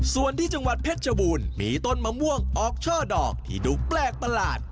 ส่วนที่จังหวัดเพชรชบูรณ์มีต้นมะม่วงออกช่อดอกที่ดูแปลกประหลาด